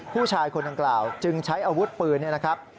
ผู้ชายคนดังกล่าวจึงใช้อาวุธปืนเนี่ยนะครับ